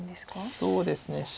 そうですね白。